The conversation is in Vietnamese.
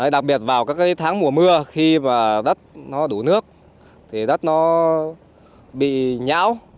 đặc biệt vào các tháng mùa mưa khi mà đất nó đủ nước thì đất nó bị nhão